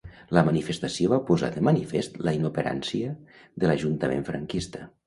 La manifestació va posar de manifest la inoperància de l'Ajuntament franquista.